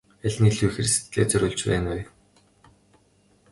Аль нь илүү ихээр сэтгэлээ зориулж байна вэ?